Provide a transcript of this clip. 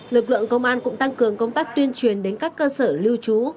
lực lượng công an cũng tăng cường công tác tuyên truyền đến các cơ sở lưu trú